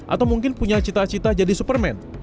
atau mungkin punya cita cita jadi superman